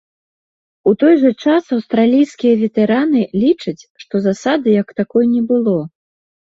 У той жа час аўстралійскія ветэраны лічаць, што засады як такой не было.